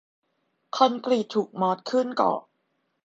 คอนกรีตถูกมอสขึ้นเกาะ